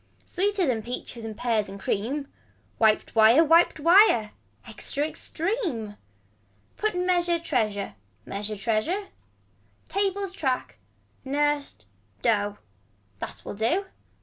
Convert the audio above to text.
Sweeter than peaches and pears and cream. Wiped wire wiped wire. Extra extreme. Put measure treasure. Measure treasure. Tables track. Nursed. Dough. That will do.